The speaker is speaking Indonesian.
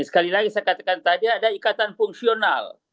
sekali lagi saya katakan tadi ada ikatan fungsional